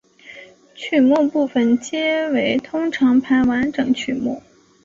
曲目部分皆为通常盘完整曲目。